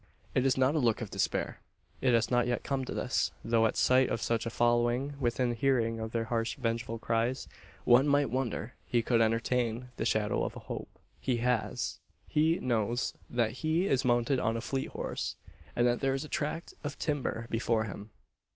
It is not a look of despair. It has not yet come to this; though at sight of such a following within hearing of their harsh vengeful cries one might wonder he could entertain the shadow of a hope. He has. He knows that he is mounted on a fleet horse, and that there is a tract of timber before him.